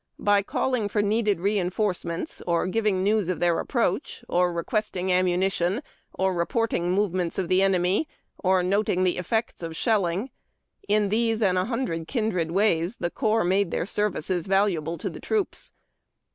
By calling for needed re enforce ments, or giving news of their approach, or requesting am munition, or reporting movements of the enemy, or noting the effects of shelling, — in these and a hundred kindred ways the corps made their services invaluable to the troops.